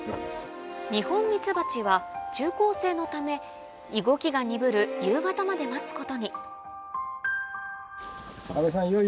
ニホンミツバチは昼行性のため動きが鈍る夕方まで待つことに阿部さん。